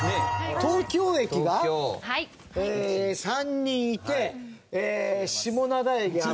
東京駅が、３人いて下灘駅、アフラさん。